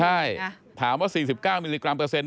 ใช่ถามว่า๔๙มิลลิกรัมเปอร์เซ็น